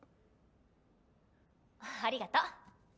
ありがと。